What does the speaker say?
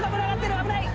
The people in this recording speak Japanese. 危ない！